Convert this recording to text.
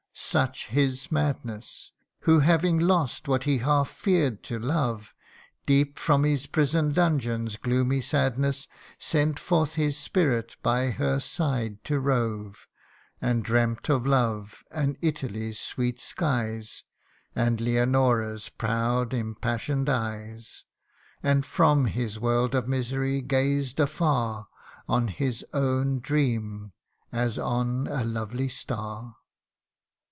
such his madness ( 7 ) Who having lost what he half fear'd to love, Deep from his prison dungeon's gloomy sadness Sent forth his spirit by her side to rove, And dreamt of love, and Italy's sweet skies, And Leonora's proud impassion'd eyes ; And from his world of misery gazed afar On his own dream, as on a lovely star.